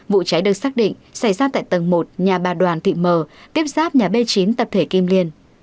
vụ cháy được xác định xảy ra tại tầng một nhà bà đoàn thị mờ tiếp sáp nhà b chín tập thể kim liên